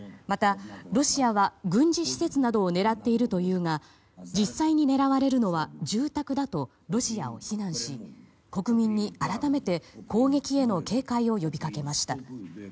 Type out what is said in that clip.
またロシアは軍事施設などを狙っているというが実際に狙われるのは住宅だとロシアを非難し国民に改めて攻撃への警戒を呼びかけました。